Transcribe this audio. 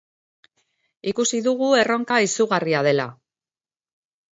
Ikusi dugu erronka izugarria dela.